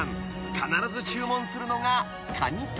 ［必ず注文するのが］